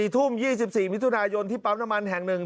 ๔ทุ่ม๒๔มิถุนายนที่ปั๊มน้ำมันแห่ง๑